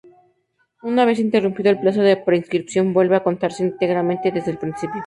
Una vez interrumpido el plazo de prescripción, vuelve a contarse íntegramente desde el principio.